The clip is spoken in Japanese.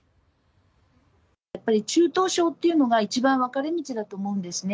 やっぱり中等症っていうのが、一番分かれ道だと思うんですね。